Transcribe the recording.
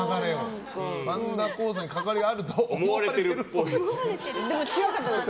万田酵素に関わりがあると思われているっぽい。